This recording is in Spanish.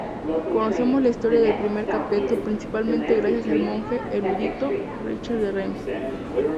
Conocemos la historia del primer Capeto principalmente gracias al monje erudito Richer de Reims.